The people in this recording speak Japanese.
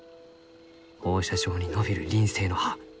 放射状に伸びる輪生の葉